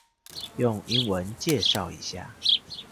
用英文介紹一下